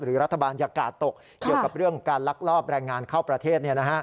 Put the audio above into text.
รัฐบาลยากาศตกเกี่ยวกับเรื่องการลักลอบแรงงานเข้าประเทศ